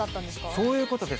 そういうことです。